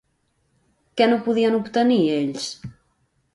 Què no podien obtenir ells?